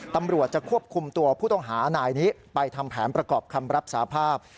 ตำรวจจะควบคุมตัวผู้ต้องหานายนี้ไปทำแผนประกอบคำรับสาภาพ